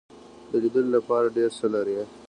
د لیدلو لپاره ډیر څه لري.